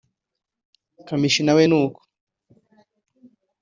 Kamichi na we n’uko